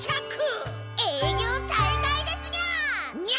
営業再開ですにゃ！